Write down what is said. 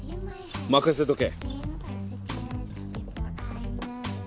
任せとけ。